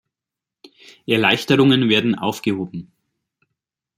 Erleichterungen werden aufgehoben.